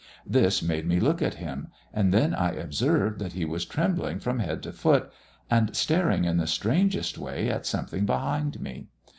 This made me look at him, and then I observed that he was trembling from head to foot, and staring in the strangest way at something behind me.